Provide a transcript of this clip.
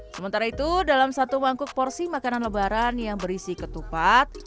sementara itu dalam satu mangkuk porsi makanan lebaran yang berisi ketupat